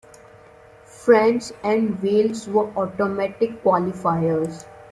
France and Wales were automatic qualifiers.